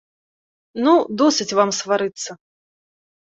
Ну, досыць вам сварыцца!